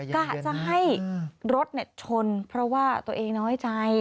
กะจะให้รถชนเพราะว่าตัวเองน้อยใจ